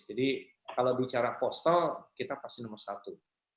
jadi kalau bicara postal kita pasti nomor satu